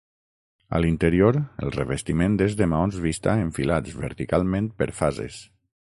A l'interior el revestiment és de maons vista enfilats verticalment per fases.